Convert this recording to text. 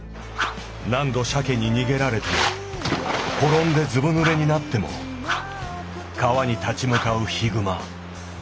何度鮭に逃げられても転んでずぶぬれになっても川に立ち向かう悲熊。